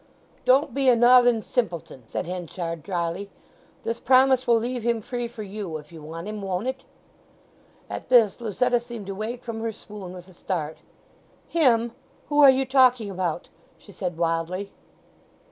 "Don't be a no'thern simpleton!" said Henchard drily. "This promise will leave him free for you, if you want him, won't it?" At this Lucetta seemed to wake from her swoon with a start. "Him? Who are you talking about?" she said wildly.